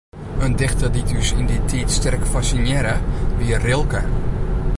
In dichter dy't ús yn dy tiid sterk fassinearre, wie Rilke.